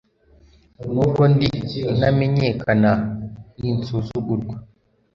N’ubwo ndi intamenyekana n’insuzugurwa